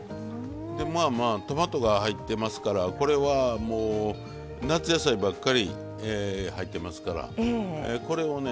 まあまあトマトが入ってますからこれはもう夏野菜ばっかり入ってますからこれをね